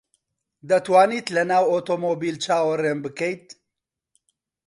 دەتوانیت لەناو ئۆتۆمۆبیل چاوەڕێم بکەیت؟